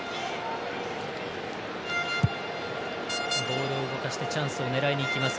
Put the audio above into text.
ボールを動かしてチャンスを狙いにいきます。